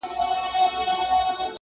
هغه نوري ورځي نه در حسابیږي!